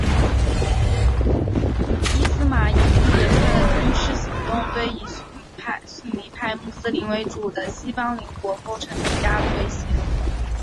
伊斯玛仪一连串的军事行动对以逊尼派穆斯林为主的西方邻国构成极大的威胁。